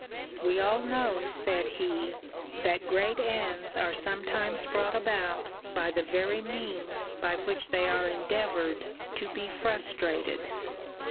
We all know, said he, that great ends are sometimes brought about by the very means by which they are endeavoured to be frustrated.'